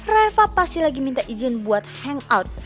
reva pasti lagi minta izin buat hangout